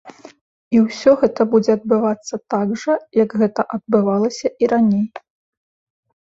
І ўсё гэта будзе адбывацца так жа як гэта адбывалася і раней.